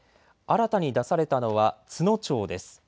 新たに出されたのは都農町です。